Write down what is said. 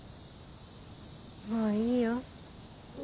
もういいよ。